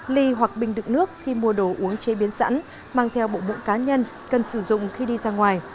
ly hoặc bình đựng nước khi mua đồ uống chế biến sẵn mang theo bộ bụng cá nhân cần sử dụng khi đi ra ngoài